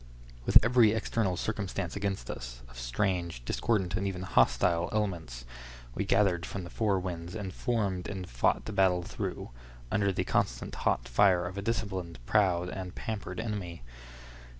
With every external circumstance against us, of strange, discordant, and even hostile elements, we gathered from the four winds, and formed and fought the battle through, under the constant hot fire of a disciplined, proud, and pampered enemy.